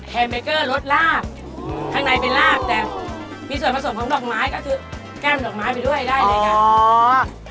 แฮมเบอร์เกอร์รดราบข้างในเป็นราบแต่มีส่วนผสมของดอกไม้ก็คือ